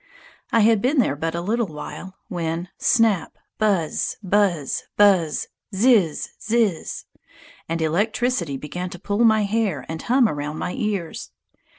I had been there but a little while, when snap! buzz! buzz! buzz! ziz! ziz! and electricity began to pull my hair and hum around my ears.